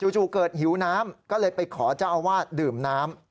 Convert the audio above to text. เกิดหิวน้ำก็เลยไปขอเจ้าอาวาสดื่มน้ำ